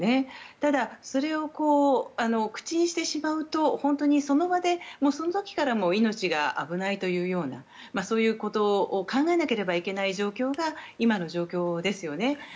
ただ、それを口にしてしまうと本当に、その場でその先から命が危ないというそういうことを考えなければいけない状況が今の状況ですよね。